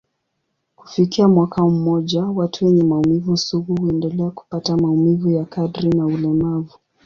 Kufikia mwaka mmoja, watu wenye maumivu sugu huendelea kupata maumivu ya kadri na ulemavu.